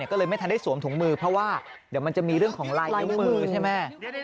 ก็เลยไม่ทันได้สวมถุงมือเพราะว่าเดี๋ยวมันจะมีเรื่องของลายนิ้วมือใช่ไหม